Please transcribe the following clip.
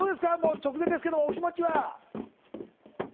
直前ですが、お気持ちは。